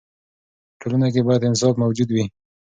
په ټولنه کې باید انصاف موجود وي.